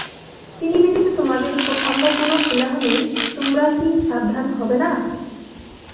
তিনি ব্যতীত তোমাদের অন্য কোন ইলাহ নেই, তোমরা কি সাবধান হবে না?